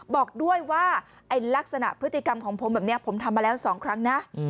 บอกด้วยว่าลักษณะพฤติกรรมของผมแบบนี้ผมทำมาแล้ว๒ครั้งนะ